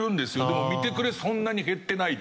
でもみてくれはそんなに減ってない。